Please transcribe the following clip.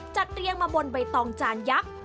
เรียงมาบนใบตองจานยักษ์